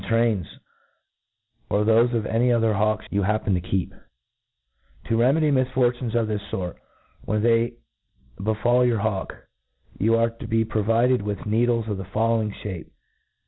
ifi trains^ or thofe of any other hawks you happen toL keep* To remedy misfoitimcs of this fort, when they befal yoar hawk, you are to be provided with. needles of the following ffiape.